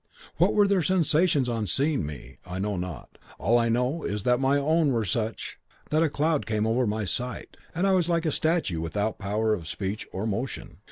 "What were their sensations on seeing me I know not, all I know is that my own were such that a cloud came over my sight, and I was like a statue without power of speech or motion.